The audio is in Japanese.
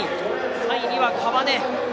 ３位には川根。